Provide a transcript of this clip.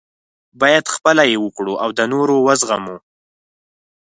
باید خپله یې وکړو او د نورو وزغمو.